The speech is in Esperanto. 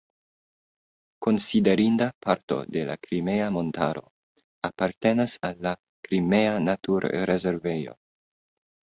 Konsiderinda parto de la Krimea Montaro apartenas al la Krimea naturrezervejo.